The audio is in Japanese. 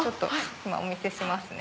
今お見せしますね。